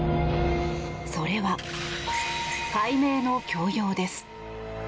それは、改名の強要です。